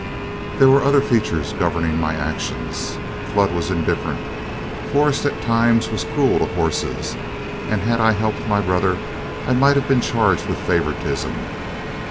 There were other features governing my actions: Flood was indifferent; Forrest, at times, was cruel to horses, and had I helped my brother, I might have been charged with favoritism.